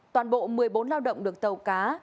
toàn bộ một mươi bốn lao động được tàu cá